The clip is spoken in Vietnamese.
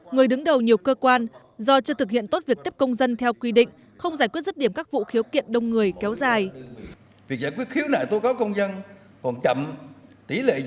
người đứng đầu nhiều cơ quan do chưa thực hiện tốt việc tiếp công dân theo quy định không giải quyết rứt điểm các vụ khiếu kiện đông người kéo dài